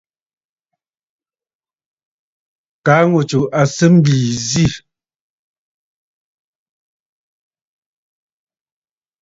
Kaa ŋù tsù à sɨ mbìì zî.